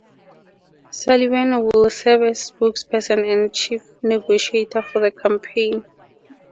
Sullivan would serve as spokesperson and chief negotiator for the campaign.